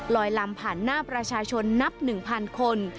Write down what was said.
ลอยลำผ่านหน้าประชาชนนับหนึ่งพันคน